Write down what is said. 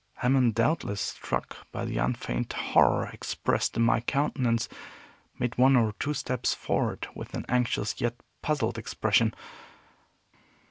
Hammond, doubtless struck by the unfeigned horror expressed in my countenance, made one or two steps forward with an anxious yet puzzled expression.